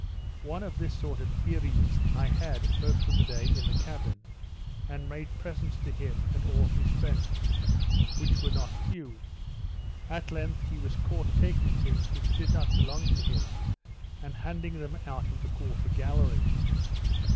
One of this sort of Earees I had, most of the day, in the cabin, and made presents to him and all his friends, which were not few; at length he was caught taking things which did not belong to him, and handing them out of the quarter gallery.